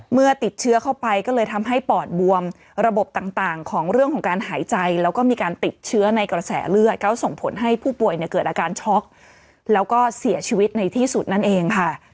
เมื่อติดเชื้อเข้าไปก็เลยทำให้ปอดบวมระบบต่างของเรื่องของการหายใจแล้วก็มีการติดเชื้อในกระแสเลือดก็ส่งผลให้ผู้ป่วยเนี่ยเกิดอาการช็อกแล้วก็เสียชีวิตในที่สุดนั่นเองค่ะ